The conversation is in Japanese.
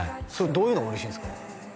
どういうのが嬉しいんすか？